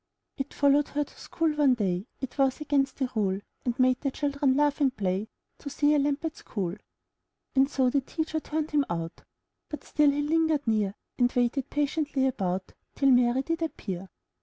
It followed her to school one day, It was against the rule, And made the children laugh and play To see a lamb at school. And so the teacher turned him out. But still he lingered near. And waited patiently about Till Mary did appear.